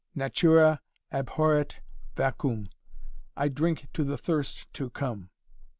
Natura abhorret vacuum! I drink to the thirst to come!"